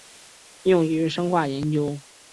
用于生化研究。